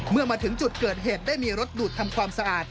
เมื่อมาถึงจุดเกิดเหตุได้มีรถดูดทำความสะอาด